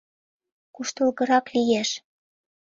Куштылгырак лиеш.